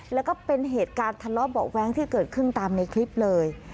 แล้วก็เป็นเหตุการณ์ทะเลาะเบาะแว้งที่เกิดขึ้นตามในคลิปเลย